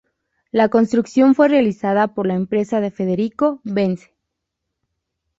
La construcción fue realizada por la empresa de Federico Bence.